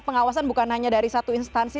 pengawasan bukan hanya dari satu instansi